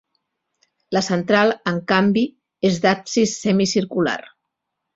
La central, en canvi, és d'absis semicircular.